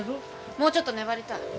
もうちょっと粘りたい。